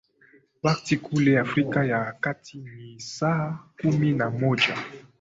wakti kule afrika ya kati ni saa kumi na moja